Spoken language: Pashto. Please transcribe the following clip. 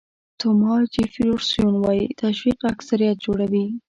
توماس جیفرسون وایي تشویق اکثریت جوړوي.